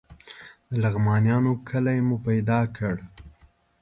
د لغمانیانو کلی مو پیدا کړ.